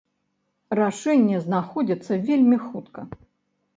Рашэнне знаходзіцца вельмі хутка.